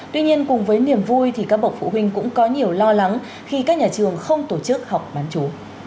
tuy nhiên cùng với niềm vui thì các bậc phụ huynh cũng có nhiều lo lắng khi các nhà trường không tổ chức học bán chú